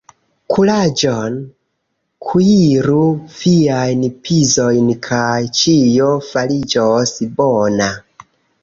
Kuraĝon! Kuiru viajn pizojn kaj ĉio fariĝos bona!